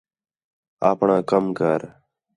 آپݨاں کَم کر